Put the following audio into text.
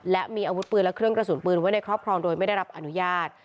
และมีอาวุธปืนและเครื่องกระสุนปืนไว้ในครอบครองโดยไม่ได้รับอนุญาต